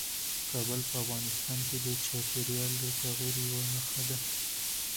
کابل په افغانستان کې د چاپېریال د تغیر یوه نښه ده.